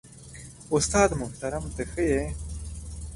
استاد محترم ته ښه يې؟